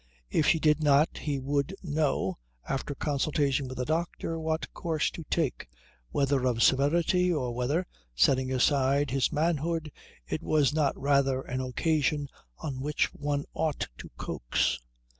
If she did not he would know, after consultation with the doctor, what course to take whether of severity, or whether, setting aside his manhood, it was not rather an occasion on which one ought to coax.